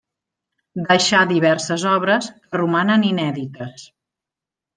Deixà diverses obres que romanen inèdites.